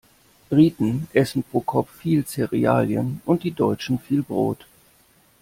Briten essen pro Kopf viel Zerealien und die Deutschen viel Brot.